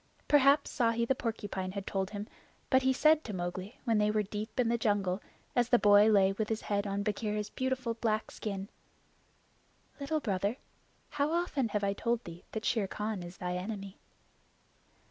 Perhaps Ikki the Porcupine had told him; but he said to Mowgli when they were deep in the jungle, as the boy lay with his head on Bagheera's beautiful black skin, "Little Brother, how often have I told thee that Shere Khan is thy enemy?"